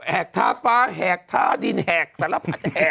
หากท้าฟ้าแหกท้าดินแหกสารพัดแหก